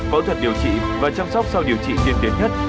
phẫu thuật điều trị và chăm sóc sau điều trị tiên tiến nhất